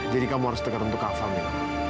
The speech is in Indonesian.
jadi kamu harus dekat untuk kak fah mila